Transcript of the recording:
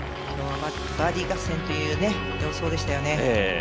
今日はバーディー合戦という様相でしたよね。